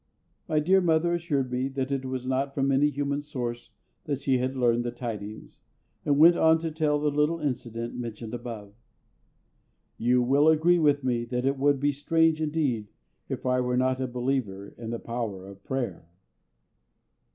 My dear mother assured me that it was not from any human source that she had learned the tidings, and went on to tell the little incident mentioned above. You will agree with me that it would be strange indeed if I were not a believer in the power of prayer.